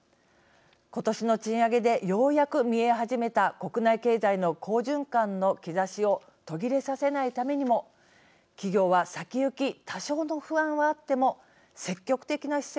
今年の賃上げでようやく見え始めた国内経済の好循環の兆しを途切れさせないためにも企業は先行き多少の不安はあっても積極的な姿勢で取り組んでほしいと思います。